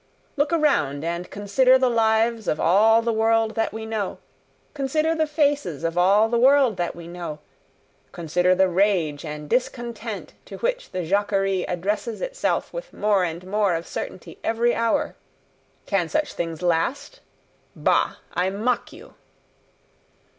Look around and consider the lives of all the world that we know, consider the faces of all the world that we know, consider the rage and discontent to which the Jacquerie addresses itself with more and more of certainty every hour. Can such things last? Bah! I mock you."